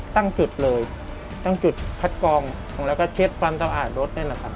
ตั้งจุดเลยตั้งจุดพัดกองแล้วก็เช็ดความสะอาดรถ